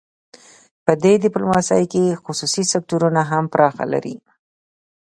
په دې ډیپلوماسي کې خصوصي سکتورونه هم برخه لري